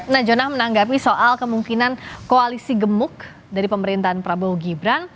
nah jonah menanggapi soal kemungkinan koalisi gemuk dari pemerintahan prabowo gibran